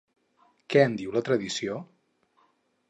Què en diu la tradició?